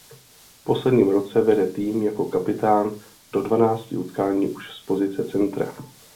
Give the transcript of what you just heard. V posledním roce vede tým jako kapitán do dvanácti utkání už z pozice Centra.